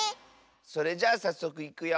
それじゃあさっそくいくよ。